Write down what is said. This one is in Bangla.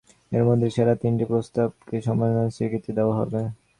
এর মধ্যে সেরা তিনটি প্রস্তাবনাকে সম্মাননা স্বীকৃতি দেওয়া হয়।